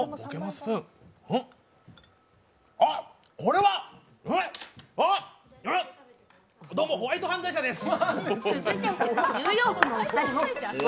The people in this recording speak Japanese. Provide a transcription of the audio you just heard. あっ、これはどうも、ホワイト犯罪者です。